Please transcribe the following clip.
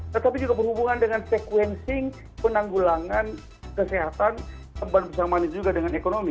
tetapi juga berhubungan dengan sequencing penanggulangan kesehatan tempat bersama juga dengan ekonomi